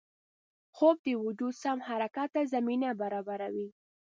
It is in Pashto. خوب د وجود سم حرکت ته زمینه برابروي